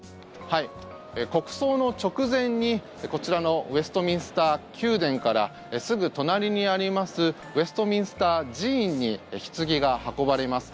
国葬の直前に、こちらのウェストミンスター宮殿からすぐ隣にありますウェストミンスター寺院にひつぎが運ばれます。